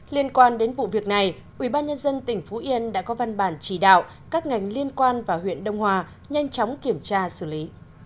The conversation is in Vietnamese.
liên quan đến vụ việc này ubnd tỉnh phú yên đã có văn bản chỉ đạo các ngành liên quan và huyện đông hòa nhanh chóng kiểm tra xử lý